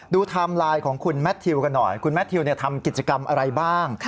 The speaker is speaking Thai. ไทม์ไลน์ของคุณแมททิวกันหน่อยคุณแมททิวทำกิจกรรมอะไรบ้าง